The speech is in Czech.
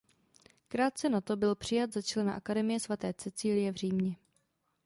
Krátce nato byl přijat za člena Akademie svaté Cecilie v Římě.